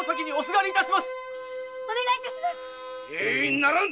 ならん‼